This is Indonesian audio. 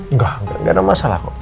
enggak enggak ada masalah kok